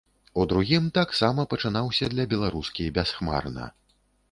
У другім таксама пачынаўся для беларускі бясхмарна.